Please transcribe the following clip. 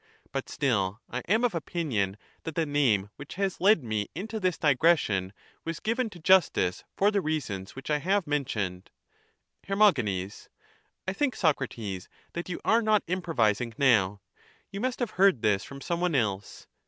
But still I am of opinion that the name, which has led me into this digression, was given to justice for the reasons which I have mentioned. Her. I think, Socrates, that you are not improvising now ; you must have heard this from some one else. Soc. And not the rest? Her. Hardly.